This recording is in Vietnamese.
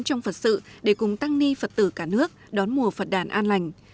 trong phật sự để cùng tăng ni phật tử cả nước đón mùa phật đàn an lành